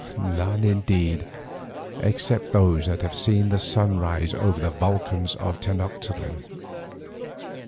None, indeed, except those that have seen the sun rise over the volcans of Tenoctitlan.